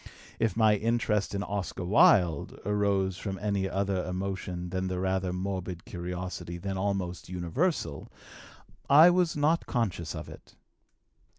If my interest in Oscar Wilde arose from any other emotion than the rather morbid curiosity then almost universal, I was not conscious of it.